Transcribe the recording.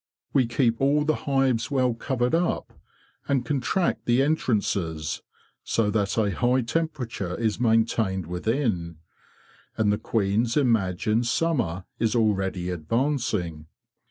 We keep all the hives well covered up, and contract the entrances, so that a high temperature is maintained within, and the queens imagine summer is already advancing.